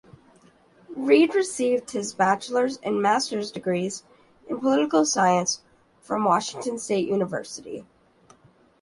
Reed received his bachelor's and master's degrees in political science from Washington State University.